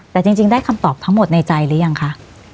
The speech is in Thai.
แต่จริงได้คำตอบทั้งหมดในใจหรือยังคะ